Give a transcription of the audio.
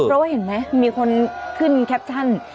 เพราะว่าเห็นไหมมีคนขึ้นแคปชั่น